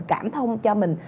cảm thông cho mình